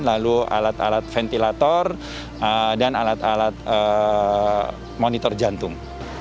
lalu alat alat ventilator dan alat alat monitor jantung